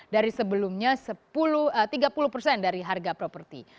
dari sebelumnya tiga puluh persen dari harga properti